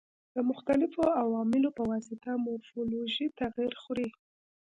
د مختلفو عواملو په واسطه مورفولوژي تغیر خوري.